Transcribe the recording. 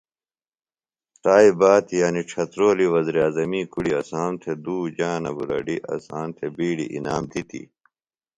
تائی باد یعنی ڇھترولی وزیراعظمی کُڑیۡ اسام تھےۡ دُو جانہ بُلڈیۡ اسام تھےۡ بِیڈیۡ اِنام دِتیۡ